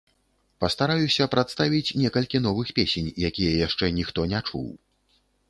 Пастараюся прадставіць некалькі новых песень, якія яшчэ ніхто не чуў.